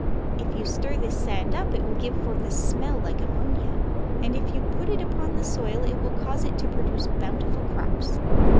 If you stir this sand up it will give forth a smell like ammonia, and if you put it upon the soil it will cause it to produce bountiful crops.